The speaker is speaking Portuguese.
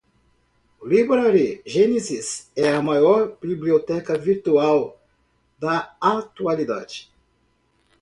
Library genesis é a maior biblioteca virtual da atualidade